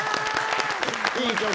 いい曲。